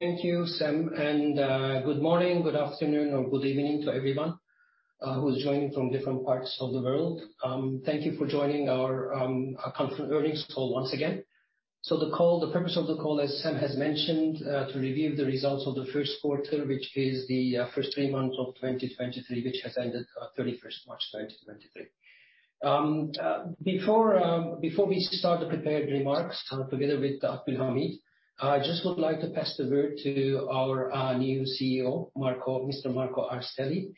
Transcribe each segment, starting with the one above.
Thank you, Sam. Good morning, good afternoon, or good evening to everyone who's joining from different parts of the world. Thank you for joining our conference earnings call once again. The purpose of the call, as Sam has mentioned, to review the results of the first quarter, which is the first three months of 2023, which has ended 31st March 2023. Before we start the prepared remarks, together with Abdulhamid, I just would like to pass the word to our new CEO, Mr. Marco Arcelli,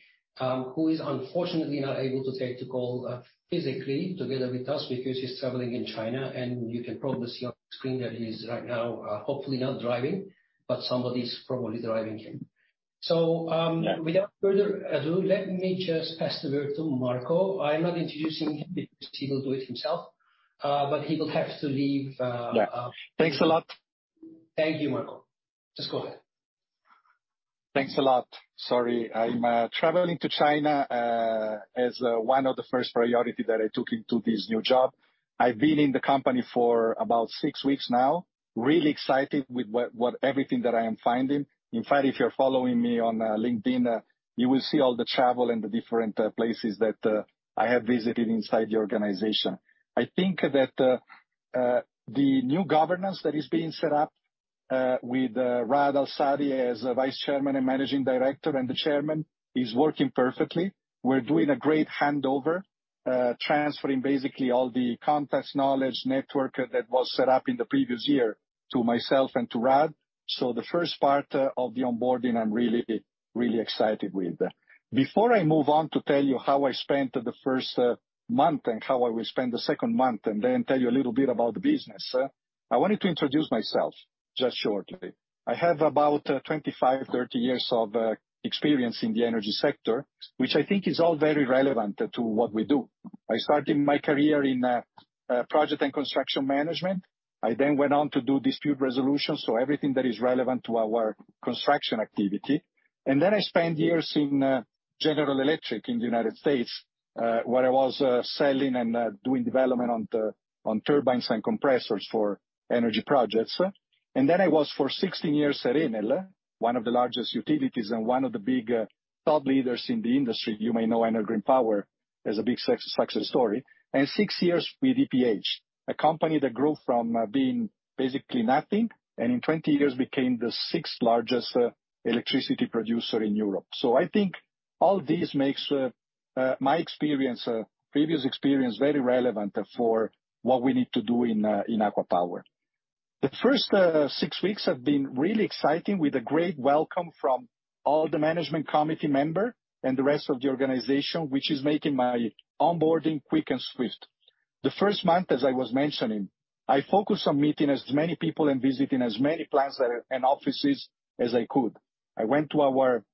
who is unfortunately not able to take the call physically together with us because he's traveling in China, and you can probably see on the screen that he's right now, hopefully not driving, but somebody's probably driving him. Without further ado, let me just pass the word to Marco. I'm not introducing him because he will do it himself, he will have to leave. Thanks a lot. Thank you, Marco. Just go ahead. Thanks a lot. Sorry, I am traveling to China as one of the first priorities that I took into this new job. I have been in the company for about six weeks now. I am really excited with everything that I am finding. In fact, if you are following me on LinkedIn, you will see all the travel and the different places that I have visited inside the organization. I think that the new governance that is being set up, with Raad Al-Saady as Vice Chairman and Managing Director, and the Chairman, is working perfectly. We are doing a great handover, transferring basically all the context, knowledge, network that was set up in the previous year to myself and to Raad. The first part of the onboarding, I am really excited with. Before I move on to tell you how I spent the first month and how I will spend the second month, then tell you a little bit about the business, I wanted to introduce myself, just shortly. I have about 25, 30 years of experience in the energy sector, which I think is all very relevant to what we do. I started my career in project and construction management. I then went on to do dispute resolution, so everything that is relevant to our construction activity. Then I spent years in General Electric in the U.S., where I was selling and doing development on turbines and compressors for energy projects. Then I was for 16 years at Enel, one of the largest utilities and one of the big top leaders in the industry. You may know Enel Green Power as a big success story. Six years with EPH, a company that grew from being basically nothing, and in 20 years became the sixth largest electricity producer in Europe. I think all this makes my previous experience very relevant for what we need to do in ACWA Power. The first six weeks have been really exciting with a great welcome from all the management committee members and the rest of the organization, which is making my onboarding quick and swift. The first month, as I was mentioning, I focused on meeting as many people and visiting as many plants and offices as I could. I went to our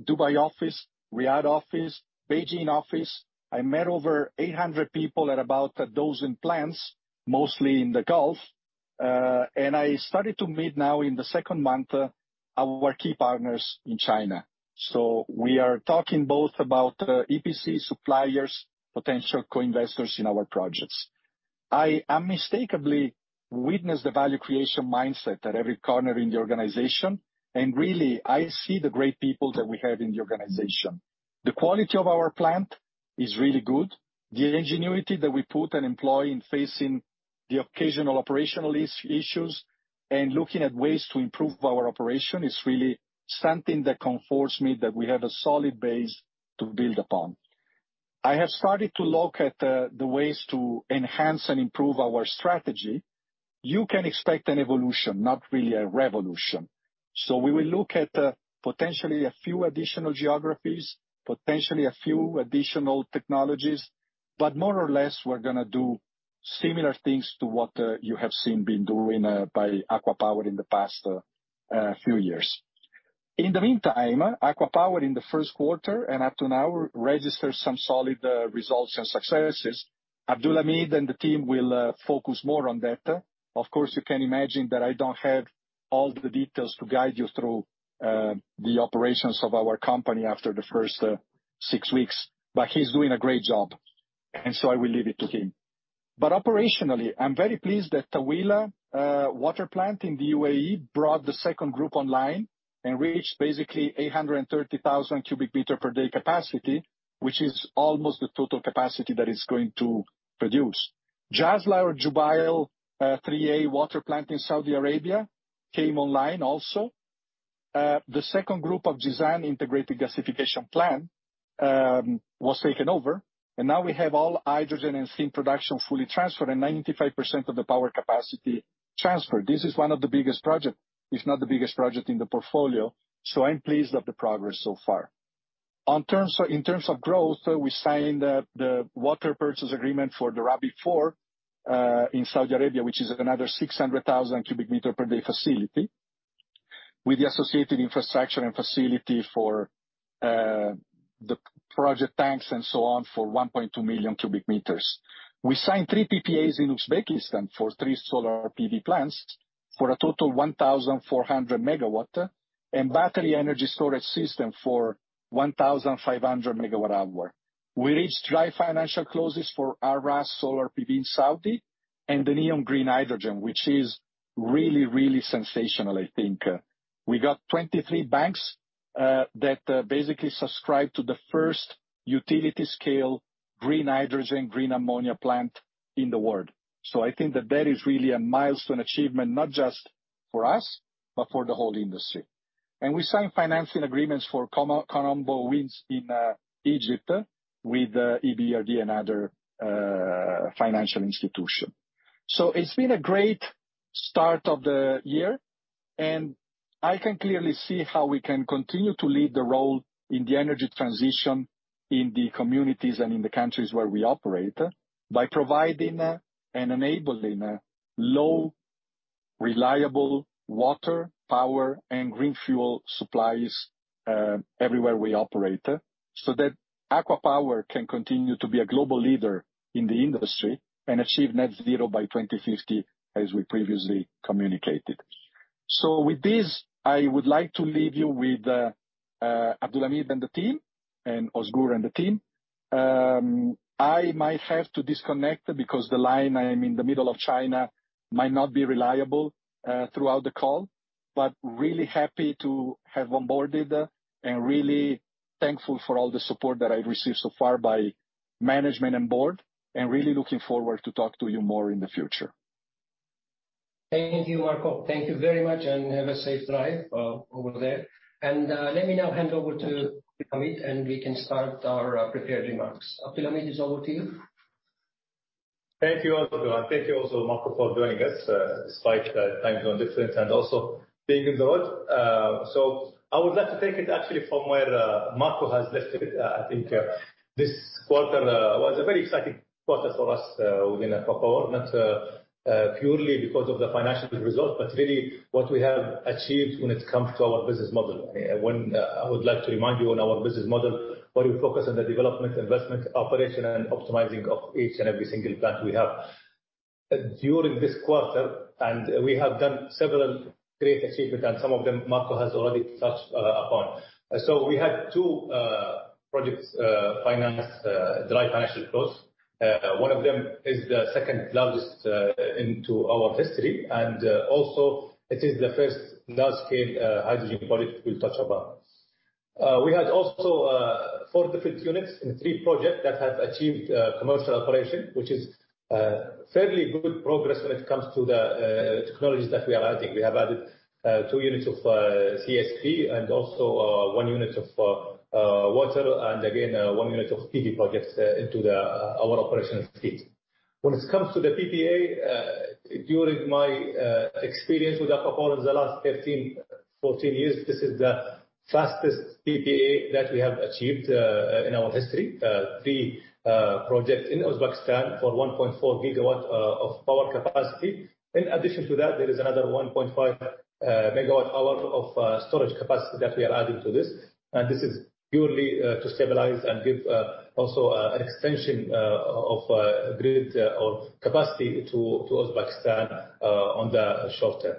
Dubai office, Riyadh office, Beijing office. I met over 800 people at about a dozen plants, mostly in the Gulf. I started to meet now in the second month, our key partners in China. We are talking both about EPC suppliers, potential co-investors in our projects. I unmistakably witness the value creation mindset at every corner in the organization. Really, I see the great people that we have in the organization. The quality of our plant is really good. The ingenuity that we put and employ in facing the occasional operational issues and looking at ways to improve our operation is really something that comforts me that we have a solid base to build upon. I have started to look at the ways to enhance and improve our strategy. You can expect an evolution, not really a revolution. We will look at potentially a few additional geographies, potentially a few additional technologies, but more or less, we are going to do similar things to what you have seen been doing by ACWA Power in the past few years. In the meantime, ACWA Power in the first quarter and up to now, registered some solid results and successes. Abdulhamid and the team will focus more on that. Of course, you can imagine that I don't have all the details to guide you through the operations of our company after the first six weeks, but he's doing a great job, and so I will leave it to him. Operationally, I'm very pleased that Taweelah Water Plant in the U.A.E. brought the second group online and reached basically 830,000 cubic meter per day capacity, which is almost the total capacity that it's going to produce. Jazlah or Jubail 3A water plant in Saudi Arabia came online also. The second group of design integrated gasification plant was taken over, and now we have all hydrogen and steam production fully transferred and 95% of the power capacity transferred. This is one of the biggest project, if not the biggest project in the portfolio, so I'm pleased of the progress so far. In terms of growth, we signed the water purchase agreement for the Rabigh 4 in Saudi Arabia, which is another 600,000 cubic meter per day facility, with the associated infrastructure and facility for the project tanks and so on, for 1.2 million cubic meters. We signed three PPAs in Uzbekistan for three solar PV plants for a total 1,400 MW and battery energy storage system for 1,500 MWh. We reached dry financial closes for Al Rass Solar PV in Saudi and the NEOM Green Hydrogen, which is really, really sensational, I think. We got 23 banks that basically subscribed to the first utility scale green hydrogen, green ammonia plant in the world. I think that that is really a milestone achievement, not just for us, but for the whole industry. We signed financing agreements for Kom Ombo Wind in Egypt with EBRD and other financial institution. It's been a great start of the year, and I can clearly see how we can continue to lead the role in the energy transition in the communities and in the countries where we operate by providing and enabling low, reliable water, power, and green fuel supplies everywhere we operate, so that ACWA Power can continue to be a global leader in the industry and achieve net zero by 2050 as we previously communicated. With this, I would like to leave you with, Abdulhamid and the team and Ozgur and the team. I might have to disconnect because the line, I am in the middle of China, might not be reliable throughout the call, but really happy to have onboarded, and really thankful for all the support that I received so far by management and board, and really looking forward to talk to you more in the future. Thank you, Marco. Thank you very much, and have a safe drive over there. Let me now hand over to Abdulhamid, and we can start our prepared remarks. Abdulhamid, it's over to you. Thank you, Ozgur. Thank you also, Marco, for joining us, despite the time zone difference and also being on the road. I would like to take it actually from where Marco has left it. I think this quarter was a very exciting quarter for us within ACWA Power, not purely because of the financial results, but really what we have achieved when it comes to our business model. One, I would like to remind you on our business model, where we focus on the development, investment, operation, and optimizing of each and every single plant we have. During this quarter, we have done several great achievements, and some of them Marco has already touched upon. We had two projects financed, dry financial close. One of them is the second largest into our history, and also it is the first large-scale hydrogen project we touch upon. We had also four different units in three projects that have achieved commercial operation, which is fairly good progress when it comes to the technologies that we are adding. We have added two units of CSP and also one unit of water, and again, one unit of PV projects into our operational fleet. When it comes to the PPA, during my experience with ACWA Power in the last 13, 14 years, this is the fastest PPA that we have achieved in our history. Three projects in Uzbekistan for 1.4 gigawatts of power capacity. In addition to that, there is another 1.5 megawatt hour of storage capacity that we are adding to this. This is purely to stabilize and give also an extension of grid of capacity to Uzbekistan on the short term.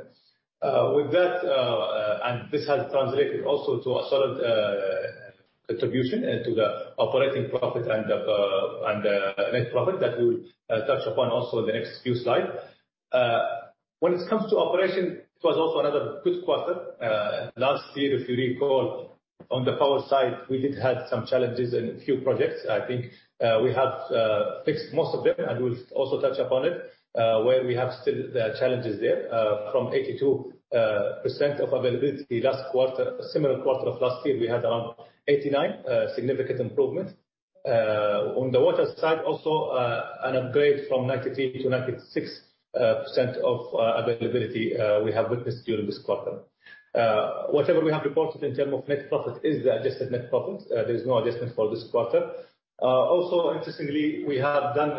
With that, this has translated also to a solid contribution to the operating profit and net profit that we will touch upon also in the next few slides. When it comes to operation, it was also another good quarter. Last year, if you recall, on the power side, we did have some challenges in a few projects. I think we have fixed most of them, and we'll also touch upon it, where we have still the challenges there. From 82% of availability last quarter, similar quarter of last year, we had around 89%, significant improvement. On the water side also, an upgrade from 93% to 96% of availability we have witnessed during this quarter. Whatever we have reported in terms of net profit is the adjusted net profit. There is no adjustment for this quarter. Interestingly, we have done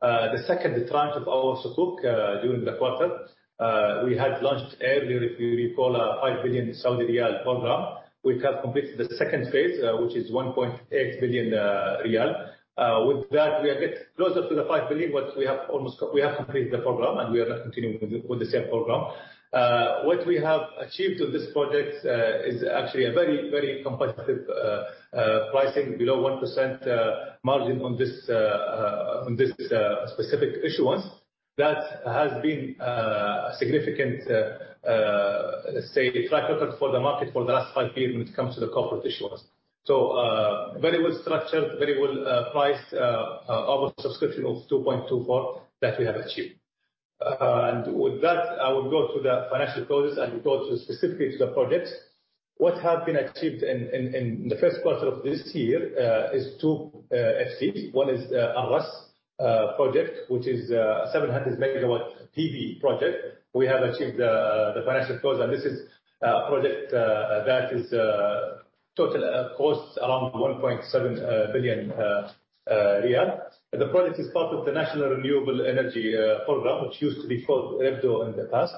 the second tranche of our Sukuk during the quarter. We had launched earlier, if you recall, a 5 billion Saudi riyal program. We have completed the second phase, which is 1.8 billion riyal. With that, we are getting closer to the 5 billion. We have completed the program, and we are continuing with the same program. What we have achieved on this project is actually a very, very competitive pricing, below 1% margin on this specific issuance. That has been a significant, say, track record for the market for the last five years when it comes to the corporate issuance. So, very well structured, very well priced, over-subscription of 2.24 that we have achieved. With that, I will go to the financial close and go specifically to the projects. What have been achieved in the first quarter of this year is 2 FCs. One is Al Rass project, which is a 700 MW PV project. We have achieved the financial close, and this is a project that is total costs around 1.7 billion riyal. The project is part of the National Renewable Energy Program, which used to be called REPDO in the past.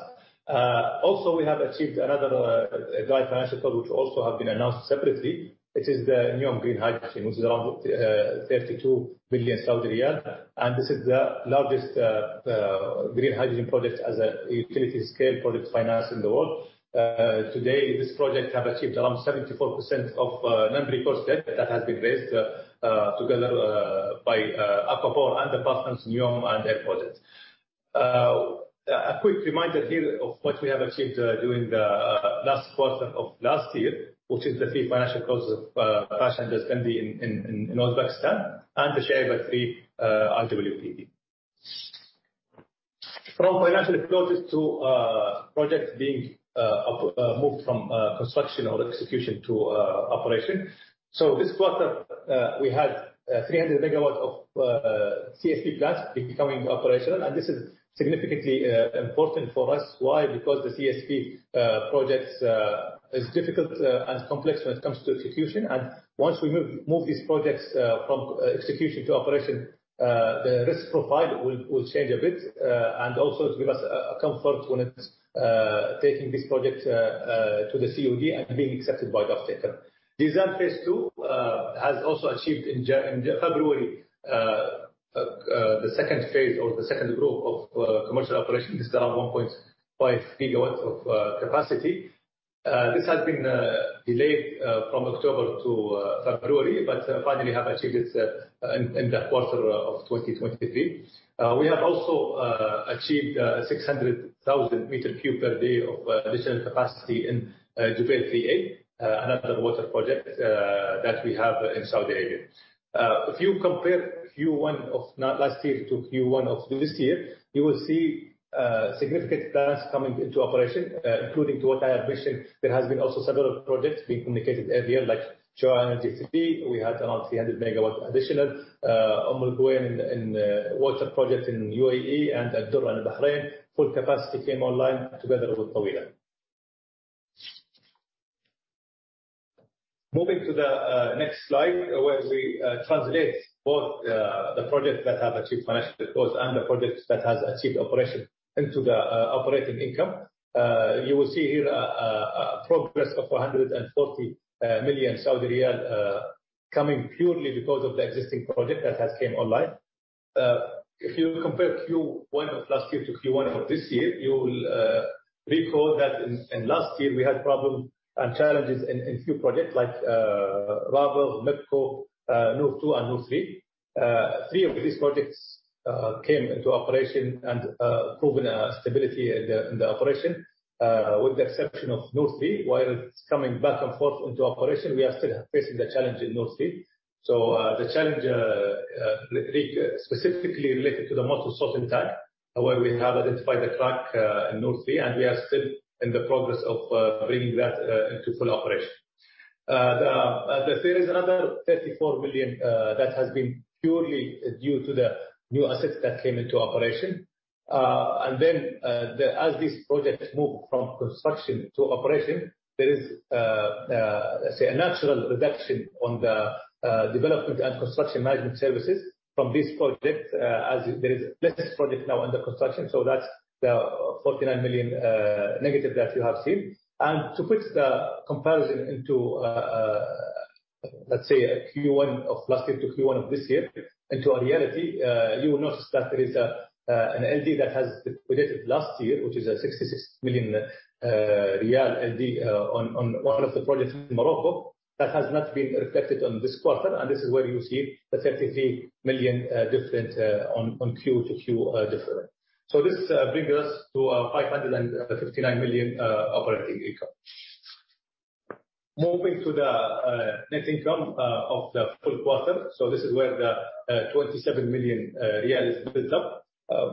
Also, we have achieved another dry financial close, which also have been announced separately. It is the NEOM Green Hydrogen, which is around 32 billion Saudi riyal. This is the largest green hydrogen project as a utility-scale project financed in the world. Today, this project have achieved around 74% of non-recourse debt that has been raised together by ACWA Power and the partners, NEOM and Air Products. A quick reminder here of what we have achieved during the last quarter of last year, which is the three financial close of Bash and Dzhankeldy in Uzbekistan and the Shuaibah 3 IWPP. From financial closes to projects being moved from construction or execution to operation. So this quarter, we had 300 MW of CSP plants becoming operational, and this is significantly important for us. Why? Because the CSP projects is difficult and complex when it comes to execution. Once we move these projects from execution to operation, the risk profile will change a bit. Also it will give us a comfort when it's taking this project to the COD and being accepted by the offtaker. Taweelah phase 2 has also achieved in February the second phase or the second group of commercial operation. This is around 1.5 GW of capacity. This has been delayed from October to February, but finally have achieved it in that quarter of 2023. We have also achieved 600,000 m3/day of additional capacity in Jubail 3A, another water project that we have in Saudi Arabia. If you compare Q1 of last year to Q1 of this year, you will see significant plants coming into operation, including to what I have mentioned. There has been also several projects being communicated earlier, like Jordan DC. We had around 300 MW additional. Umm Al Quwain in water project in UAE and Al Dur in Bahrain, full capacity came online together with Taweelah. Moving to the next slide, where we translate both the projects that have achieved financial close and the projects that has achieved operation into the operating income. You will see here a progress of 140 million Saudi riyal coming purely because of the existing project that has came online. If you compare Q1 of last year to Q1 of this year, you will recall that in last year we had problem and challenges in few projects like Rabigh, Medco, Noor 2 and Noor 3. Three of these projects came into operation and proven stability in the operation. With the exception of Noor 3, while it is coming back and forth into operation, we are still facing the challenge in Noor 3. The challenge specifically related to the molten salt tank, where we have identified the track in Noor 3, and we are still in the progress of bringing that into full operation. There is another 34 million that has been purely due to the new assets that came into operation. As these projects move from construction to operation, there is a natural reduction on the development and construction management services from these projects as there is less project now under construction. That is the 49 million negative that you have seen. To put the comparison into, let us say a Q1 of last year to Q1 of this year into a reality, you will notice that there is an LD that has liquidated last year, which is a SAR 66 million LD on one of the projects in Morocco that has not been reflected on this quarter. This is where you see the 33 million different on Q-to-Q different. This brings us to a 559 million operating income. Moving to the net income of the full quarter. This is where the SAR 27 million is built up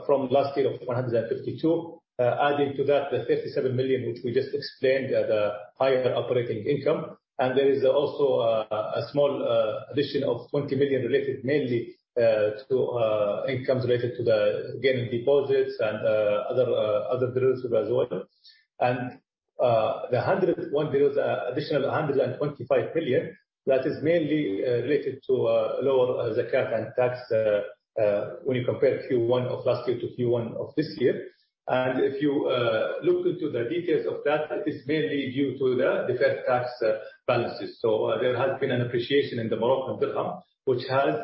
from last year of 152. Adding to that, the 37 million which we just explained, the higher operating income. There is also a small addition of 20 million related mainly to incomes related to the gaining deposits and other bureaus as well. The additional 125 million, that is mainly related to lower Zakat and tax when you compare Q1 of last year to Q1 of this year. If you look into the details of that, it is mainly due to the deferred tax balances. There has been an appreciation in the Moroccan dirham which has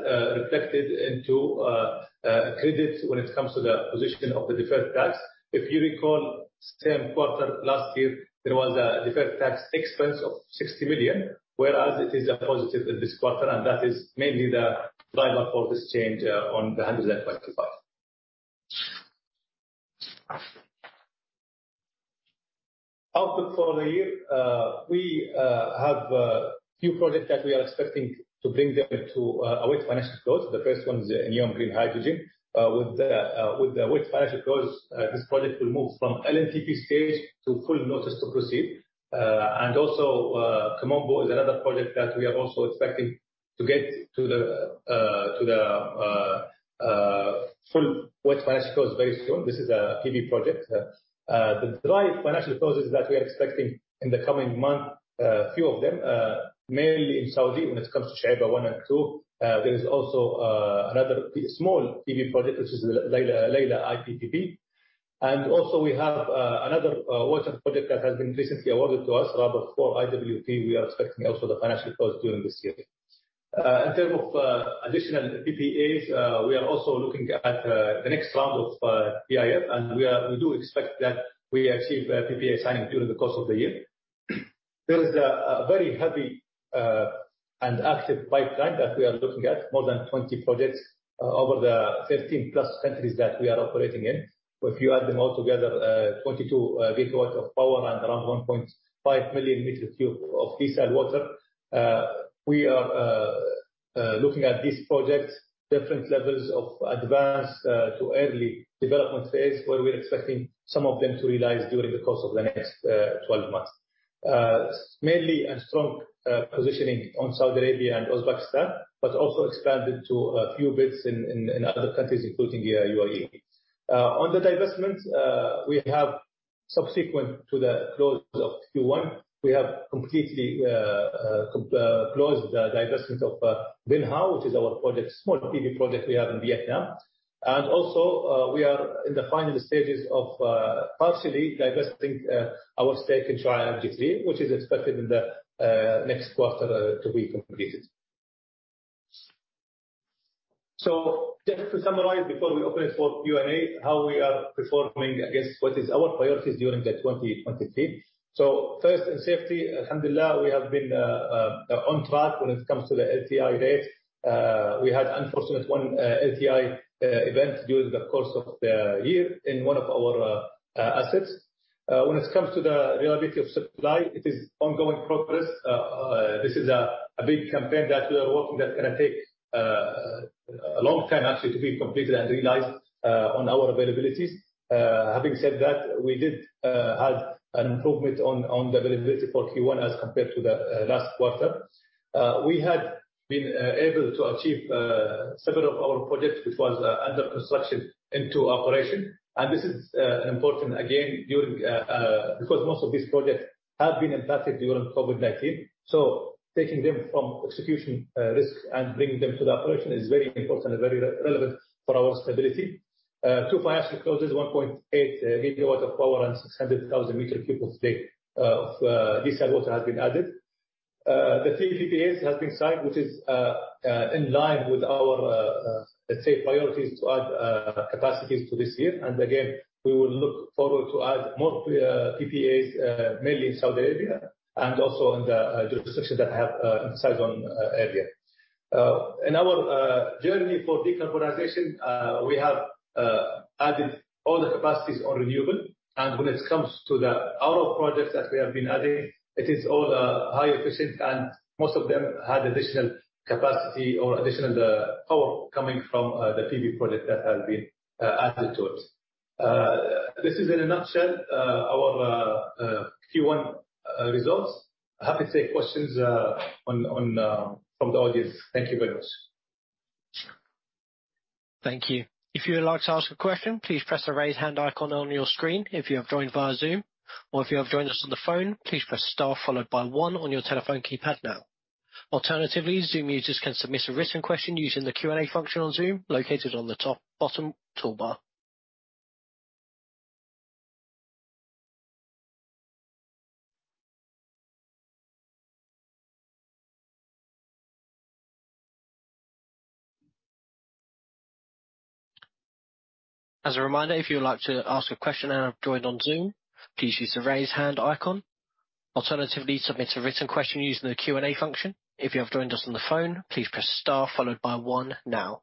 reflected into a credit when it comes to the position of the deferred tax. If you recall same quarter last year, there was a deferred tax expense of 60 million, whereas it is a positive in this quarter, and that is mainly the driver for this change on the 125. Output for the year. We have a few projects that we are expecting to bring them into full financial close. The first one is NEOM green hydrogen. With the full financial close, this project will move from LNTP stage to full notice to proceed. Kom Ombo is another project that we are also expecting to get to the full financial close very soon. This is a PV project. The full financial close is that we are expecting in the coming month a few of them, mainly in Saudi when it comes to Shuaibah 1 and 2. There is also another small PV project, which is Laylaa IPP. We have another water project that has been recently awarded to us, Rabigh 4 IWP. We are expecting also the financial close during this year. In term of additional PPAs, we are also looking at the next round of PIF. We do expect that we achieve PPA signing during the course of the year. There is a very heavy and active pipeline that we are looking at, more than 20 projects over the 15 plus countries that we are operating in. If you add them all together, 22 gigawatts of power and around 1.5 million cubic meters of desalinated water. We are looking at these projects, different levels of advanced to early development phase, where we are expecting some of them to realize during the course of the next 12 months. Mainly a strong positioning on Saudi Arabia and Uzbekistan, also expanded to a few bits in other countries, including the UAE. On the divestment, subsequent to the close of Q1, we have completely closed the divestment of Vinh Hao, which is our small PV project we have in Vietnam. Also, we are in the final stages of partially divesting our stake in Tri G3, which is expected in the next quarter to be completed. Just to summarize before we open it for Q&A, how we are performing against what is our priorities during 2023. First in safety, Alhamdulillah, we have been on track when it comes to the LTI rates. We had unfortunately one LTI event during the course of the year in one of our assets. When it comes to the reliability of supply, it is ongoing progress. This is a big campaign that we are working that's going to take a long time actually to be completed and realized on our availabilities. Having said that, we did have an improvement on the availability for Q1 as compared to the last quarter. We had been able to achieve several of our projects which was under construction into operation. This is important again because most of these projects have been impacted during COVID-19. Taking them from execution risk and bringing them to the operation is very important and very relevant for our stability. Two financial closes, 1.8 gigawatts of power and 600,000 cubic meters of desalinated water has been added. The three PPAs have been signed, which is in line with our, let's say, priorities to add capacities to this year. Again, we will look forward to add more PPAs mainly in Saudi Arabia and also in the jurisdictions that have insights on area. In our journey for decarbonization, we have added all the capacities on renewable. When it comes to the other projects that we have been adding, it is all high efficient and most of them had additional capacity or additional power coming from the PV project that has been added to it. This is in a nutshell our Q1 results. Happy to take questions from the audience. Thank you very much. Thank you. If you would like to ask a question, please press the raise hand icon on your screen if you have joined via Zoom, or if you have joined us on the phone, please press star followed by one on your telephone keypad now. Alternatively, Zoom users can submit a written question using the Q&A function on Zoom, located on the bottom toolbar. As a reminder, if you would like to ask a question and have joined on Zoom, please use the raise hand icon. Alternatively, submit a written question using the Q&A function. If you have joined us on the phone, please press star followed by one now.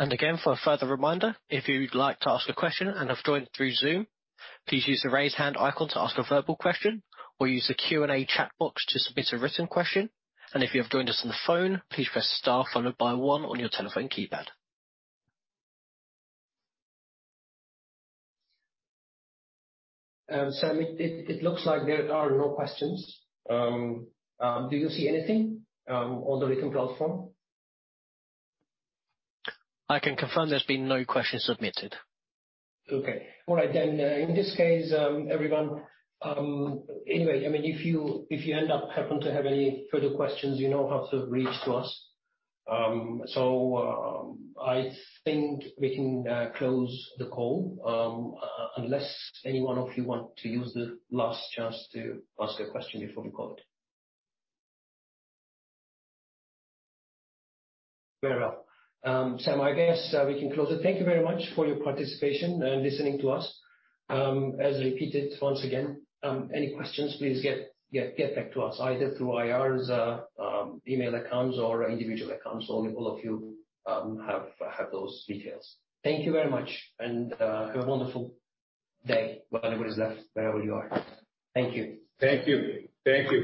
Again, for a further reminder, if you would like to ask a question and have joined through Zoom, please use the raise hand icon to ask a verbal question or use the Q&A chat box to submit a written question. If you have joined us on the phone, please press star followed by one on your telephone keypad. Sam, it looks like there are no questions. Do you see anything on the written platform? I can confirm there's been no questions submitted. Okay. All right. In this case, everyone, if you end up happen to have any further questions, you know how to reach to us. I think we can close the call. Unless any one of you want to use the last chance to ask a question before we call it. Very well. Sam, I guess we can close it. Thank you very much for your participation and listening to us. As repeated once again, any questions, please get back to us either through IR's email accounts or individual accounts. All of you have those details. Thank you very much and have a wonderful day, whatever is left, wherever you are. Thank you. Thank you. Thank you